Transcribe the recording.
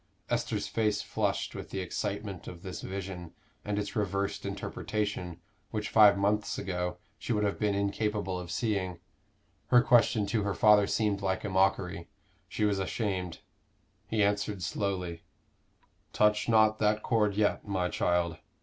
Esther's face flushed with the excitement of this vision and its reversed interpretation, which five months ago she would have been incapable of seeing. Her question to her father seemed like a mockery; she was ashamed. He answered slowly "Touch not that chord yet, my child.